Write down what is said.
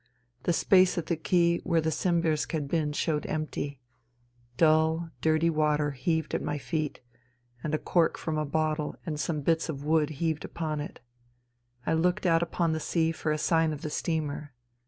The space at the quay where the Simbirsk had been showed empty ; dull, dirty water heaved at my feet and a cork from a bottle and some bits of wood heaved upon it. I looked out upon the sea for a sign of the steamer.